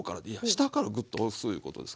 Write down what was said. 下からグッと押すいうことですかね。